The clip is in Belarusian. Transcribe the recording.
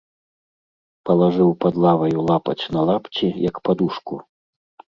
Палажыў пад лаваю лапаць на лапці, як падушку.